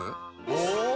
お！